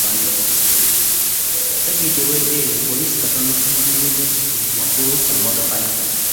Ssabbiiti ewedde poliisi katono ewanule Besigye waggulu ku mmotoka ye